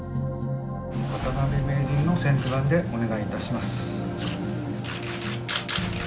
渡辺名人の先手番でお願いいたします。